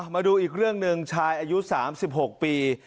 มาดูอีกเรื่องหนึ่งชายอายุ๓๖ปี